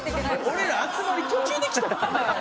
俺ら集まり途中で来たっけ？